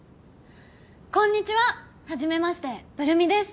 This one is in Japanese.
こんにちははじめましてブル美です。